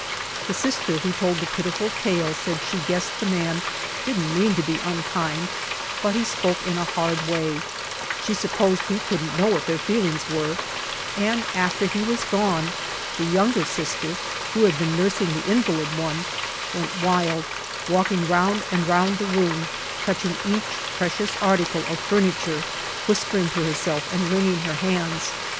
The sister who told the pitiful tale said she guessed the man didn't mean to be unkind, but he spoke in a hard way ; she supposed he couldn't know what their feelings were ; and after he was gone, the younger sister, who had been nursing the invalid one, went wild, walk ed round and round the room, touching each precious article of furniture, whispering: to herself and wringing her hands.